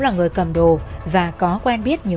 là người cầm đồ và có quen biết nhiều